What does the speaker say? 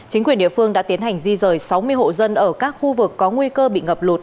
chính quyền địa phương đã tiến hành di rời sáu mươi hộ dân ở các khu vực có nguy cơ bị ngập lụt